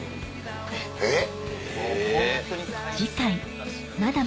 えっ？